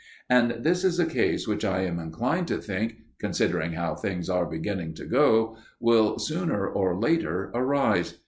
And this is a case which I am inclined to think, considering how things are beginning to go, will sooner or later arise.